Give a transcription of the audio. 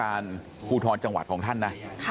การฟูทอลจังหวัดของท่าน